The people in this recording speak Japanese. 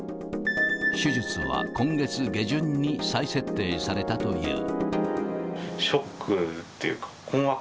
手術は今月下旬に再設定されたという。